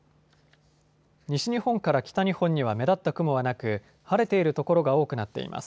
西日本から北日本には目立った雲はなく晴れている所が多くなっています。